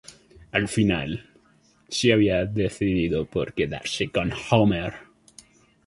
Al final, se había decidido por quedarse con Homer.